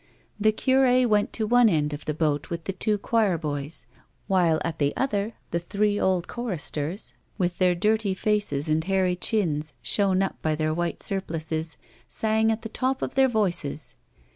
The cur^ went to one end of the boat with the two choir boys, while at the other the three old choristers, with their dirty faces and hairy chins shown up by their white surplices, sang at the top of their voices.